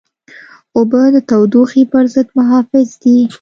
اوبه د تودوخې پر ضد محافظ دي.